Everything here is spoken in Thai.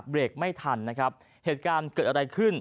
เบรกไม่ทันนะครับเหตุการณ์เกิดอะไรขึ้น